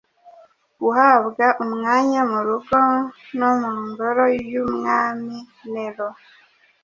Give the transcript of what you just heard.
guhabwa umwanya mu rugo no mu ngoro y’umwami Nero.